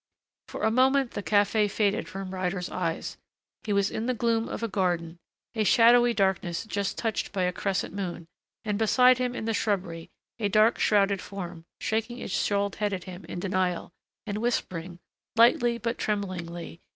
For a moment the café faded from Ryder's eyes. He was in the gloom of a garden, a shadowy darkness just touched by a crescent moon, and beside him in the shrubbery a dark shrouded form, shaking its shawled head at him in denial, and whispering, lightly but tremblingly.